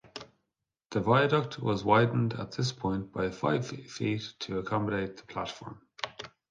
The viaduct was widened at this point by five feet to accommodate the platform.